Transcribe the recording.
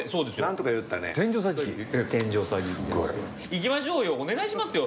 行きましょうよお願いしますよ！